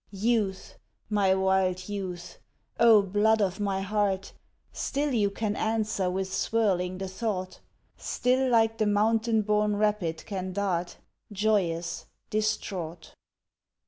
Youth! my wild youth! O, blood of my heart, Still you can answer with swirling the thought! Still like the mountain born rapid can dart, Joyous, distraught!...